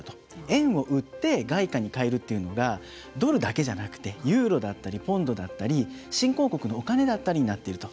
円を売って外貨に替えるというのがドルだけじゃなくてユーロだったりポンドだったり新興国のお金だったりになっていると。